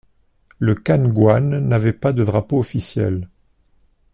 Le KaNgwane n'avait pas de drapeau officiel.